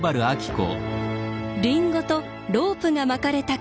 りんごとロープが巻かれた杭。